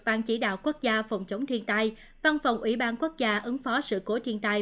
ban chỉ đạo quốc gia phòng chống thiên tai văn phòng ủy ban quốc gia ứng phó sự cố thiên tai